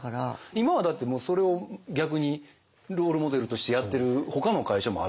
今はだってもうそれを逆にロールモデルとしてやってるほかの会社もあるわけですもんねだって。